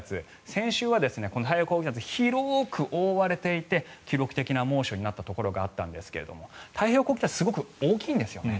先週は太平洋高気圧が広く覆われていて記録的な猛暑になったところがあったんですが太平洋高気圧すごく大きいんですよね。